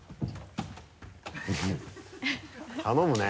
頼むね。